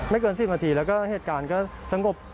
เกิน๑๐นาทีแล้วก็เหตุการณ์ก็สงบ